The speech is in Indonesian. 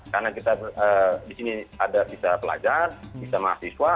karena kita di sini bisa belajar bisa mahasiswa